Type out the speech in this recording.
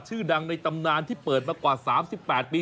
ชื่อดังในตำนานที่เปิดมากว่า๓๘ปี